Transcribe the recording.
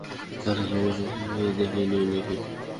আচ্ছা, তাহলে আমরা স্বচক্ষে দেখে নিই, নাকি?